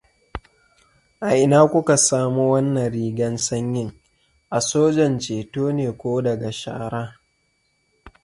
A ina kuka samo wannan rigan sanyin? A Sojan Ceto ne ko daga sharan?